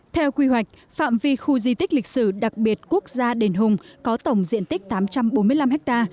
theo quy hoạch phạm vi khu di tích lịch sử đặc biệt quốc gia đền hùng có tổng diện tích tám trăm bốn mươi năm ha